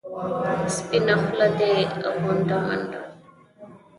سپینه خوله دې غونډه منډه.